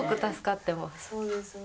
そうですね。